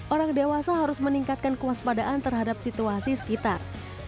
orang dewasa harus meningkatkan kewaspadaan terhadap situasi sekitar